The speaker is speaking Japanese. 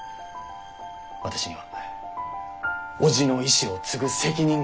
私には伯父の意志を継ぐ責任があります。